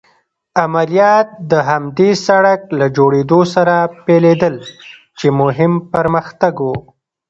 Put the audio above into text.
عملیات د همدې سړک له جوړېدو سره پيلېدل چې مهم پرمختګ و.